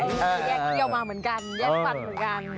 คือแยกเที่ยวมาเหมือนกันแยกฟันเหมือนกัน